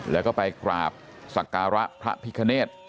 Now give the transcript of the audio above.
แล้วก็ไปกราบสักการะพระพิคเนธ